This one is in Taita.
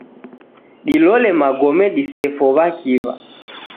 Dilole magome disefo w'akiw'a.